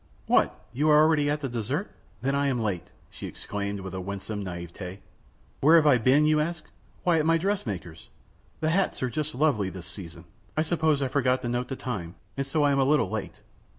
"What! You are already at the dessert? Then I am late," she exclaimed, with a winsome na├»vet├®. "Where have I been, you ask? Why, at my dress maker's. The hats are just lovely this season! I suppose I forgot to note the time, and so am a little late."